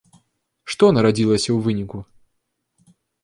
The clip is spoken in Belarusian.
Што нарадзілася ў выніку?